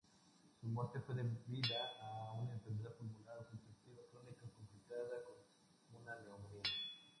Su muerte fue debida a una enfermedad pulmonar obstructiva crónica complicada con una neumonía.